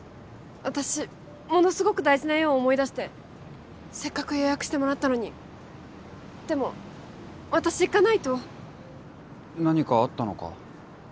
私ものすごく大事な用を思い出してせっかく予約してもらったのにでも私行かないと何かあったのか？